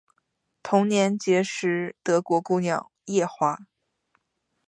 同年结识德国姑娘叶华。